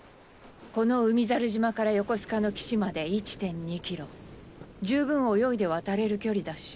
この海猿島から横須賀の岸まで１．２キロ十分泳いで渡れる距離だし。